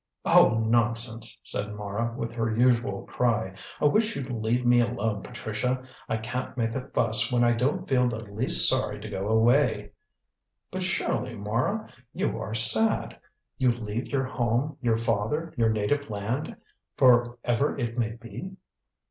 "Oh, nonsense!" said Mara with her usual cry. "I wish you'd leave me alone, Patricia. I can't make a fuss when I don't feel the least sorry to go away." "But surely, Mara, you are sad. You leave your home, your father, your native land, for ever it may be."